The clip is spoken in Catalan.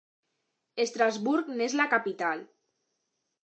Estrasburg n'és la capital.